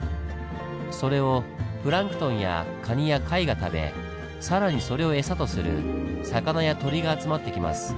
それをプランクトンやカニや貝が食べ更にそれを餌とする魚や鳥が集まってきます。